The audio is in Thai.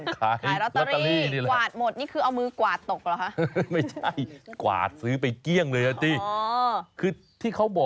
ขายรอตเตอรี่นี่แหละครับ